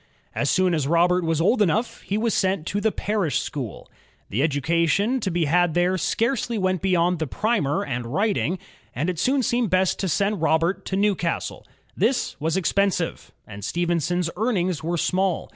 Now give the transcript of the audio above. As soon as Robert was old enough he was sent to the parish school. The education to be had there scarcely went beyond the primer and writing, and it soon seemed best to send Robert to Newcastle. This was expensive, and Stephenson's earnings were small.